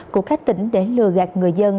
của các tỉnh để lừa gạt người dân